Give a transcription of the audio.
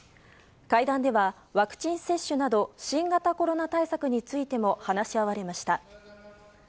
会談ではワクチン接種など、新型コロナ対策についても話し合われました。